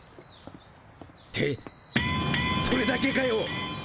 てそれだけかよ。